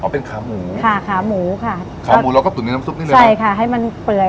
เป็นขาหมูค่ะขาหมูค่ะขาหมูเราก็ตุ๋นในน้ำซุปนี่เลยใช่ค่ะให้มันเปื่อย